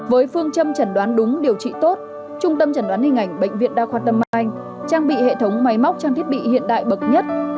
với phương châm chẩn đoán đúng điều trị tốt trung tâm chẩn đoán hình ảnh bệnh viện đa khoa tâm anh trang bị hệ thống máy móc trang thiết bị hiện đại bậc nhất